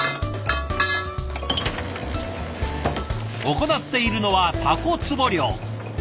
行っているのはタコ壺漁。